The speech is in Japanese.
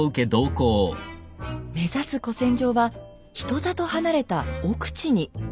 目指す古戦場は人里離れた奥地に。